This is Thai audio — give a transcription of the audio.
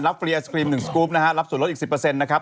เฟรียศครีม๑สกรูปนะฮะรับส่วนลดอีก๑๐นะครับ